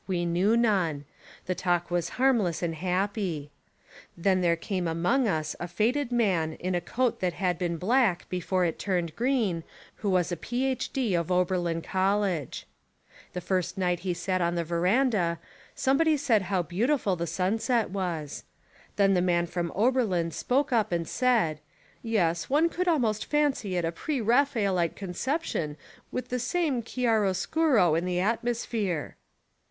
We knew none. The talk was harm less and happy. Then there came among us a faded man in a coat that had been black be fore it turned green, who was a Ph.D. of Ober lin College. The first night he sat on the veran 45 Essays and Literary Studies dah, somebody said how beautiful the sunset was. Then the man from Oberlln spoke up and said: "Yes, one could almost fancy it a pre Raphaelite conception with the same chi aroscuro in the atmosphere."